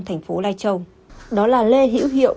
thành phố lai châu đó là lê hữu hiệu